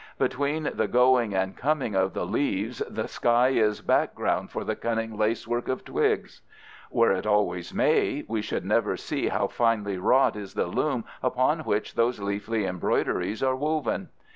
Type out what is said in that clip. Between the going and coming of the leaves the sky is background for the cunning lacework of twigs. Were it always May, we should never see how finely wrought is the loom upon which those leafy embroideries are woven.